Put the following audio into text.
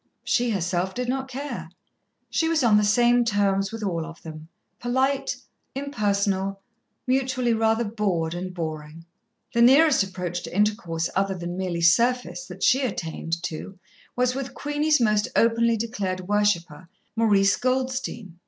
She herself did not care. She was on the same terms with all of them polite, impersonal, mutually rather bored and boring. The nearest approach to intercourse other than merely surface that she attained to, was with Queenie's most openly declared worshipper, Maurice Goldstein.